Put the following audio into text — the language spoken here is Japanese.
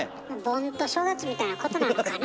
盆と正月みたいなことなのかな。